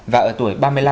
và ở tuổi ba mươi năm